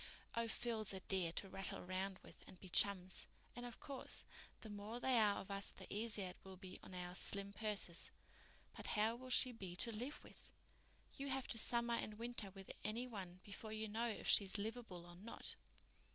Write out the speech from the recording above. "Oh, Phil's a dear to rattle round with and be chums. And, of course, the more there are of us the easier it will be on our slim purses. But how will she be to live with? You have to summer and winter with any one before you know if she's livable or not."